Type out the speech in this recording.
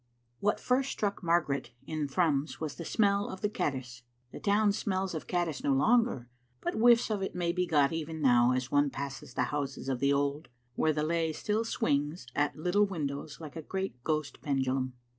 What first struck Margaret in Thrums was the smell of the caddis. The town smells of caddis no longer, but whiffs of it may be got even now as one passes the houses of the old, where the lay still swings at little windows like a great ghost pendulum.